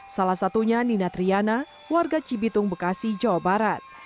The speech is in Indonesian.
salah satunya nina triana warga cibitung bekasi jawa barat